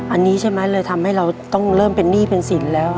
อันนี้ใช่ไหมเลยทำให้เราต้องเริ่มเป็นหนี้เป็นสินแล้ว